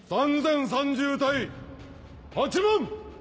３０３０対８万！